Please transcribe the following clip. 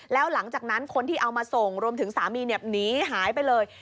แล้วหลังจากนั้นคนที่เอามาส่งรวมถึงสามีหนีหายไปเลย